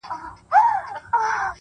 ستا سترگي فلسفې د سقراط راته وايي!